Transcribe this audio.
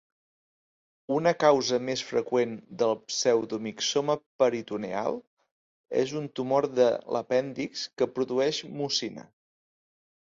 Una causa més freqüent del pseudomixoma peritoneal és un tumor de l'apèndix que produeix mucina.